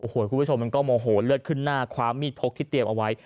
คุณผู้ชมมันก็โมโหเลือดขึ้นหน้าคว้ามีดพกที่เตรียมเอาไว้